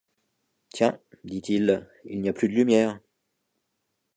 Tiens, dit-il, il n’y a plus de lumière.